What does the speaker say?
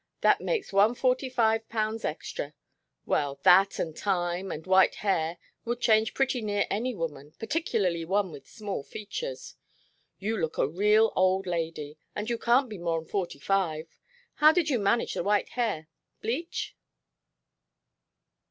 That makes one forty five pounds extra. Well, that and time, and white hair, would change pretty near any woman, particularly one with small features. You look a real old lady, and you can't be mor'n forty five. How did you manage the white hair? Bleach?"